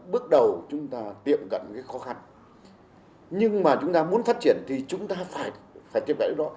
bước đầu chúng ta tiệm gặn cái khó khăn nhưng mà chúng ta muốn phát triển thì chúng ta phải tiệm gặn cái đó